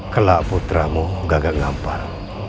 kelak putramu gagal ngampar